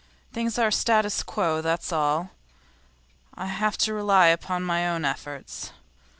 Things are in statu quo, that's all. I have to rely upon my own efforts.